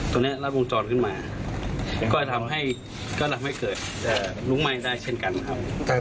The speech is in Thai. ตัวนี้รัดวงจรขึ้นมาก็ทำให้เกิดลุกไหม้ได้เช่นกันนะครับ